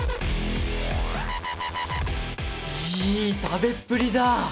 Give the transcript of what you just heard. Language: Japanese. いい食べっぷりだ。